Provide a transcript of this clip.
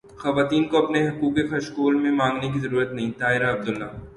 خواتین کو اپنے حقوق کشکول میں مانگنے کی ضرورت نہیں طاہرہ عبداللہ